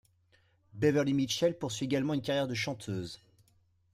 Beverley Mitchell poursuit également une carrière de chanteuse.